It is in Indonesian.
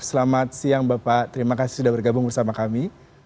selamat siang bapak terima kasih sudah bergabung bersama kami